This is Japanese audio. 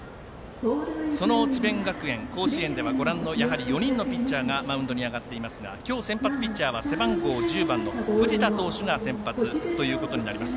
その智弁学園甲子園では４人のピッチャーがマウンドに上がっていますが今日、先発ピッチャーは背番号１０番の藤田投手が先発ということになります。